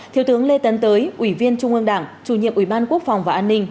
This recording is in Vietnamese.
thiếu tướng lê tấn tới ủy viên trung ương đảng chủ nhiệm ủy ban quốc phòng và an ninh